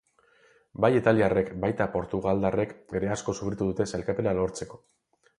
Bai italiarrek baita portugaldarrek ere asko sufritu dute sailkapena lortzeko.